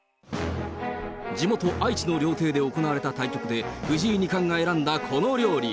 地元、愛知の料亭で行われた対局で、藤井二冠が選んだこの料理。